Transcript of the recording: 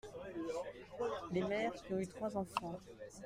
Les mères qui ont eu trois enfants.